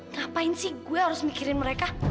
ngapain sih gue harus mikirin mereka